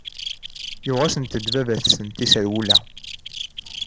Yuɣ-asent-d baba-tsent iserwula.